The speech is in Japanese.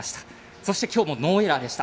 そしてきょうもノーエラーでした。